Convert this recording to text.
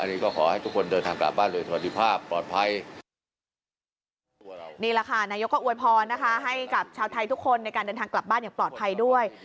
นี่แหละค่ะนายกก็อวยพรนะคะให้กับชาวไทยทุกคนในการเดินทางกลับบ้านอย่างปลอดภัยด้วย